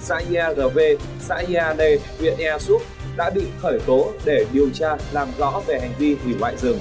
xã iarv xã iad huyện ea xúc đã bị khởi tố để điều tra làm rõ về hành vi hủy hoại rừng